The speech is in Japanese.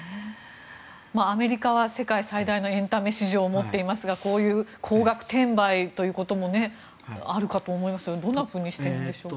アメリカは世界最大のエンタメ市場を持っていますがこういう高額転売ということもあるかと思いますがどんなふうにしてるんでしょうか？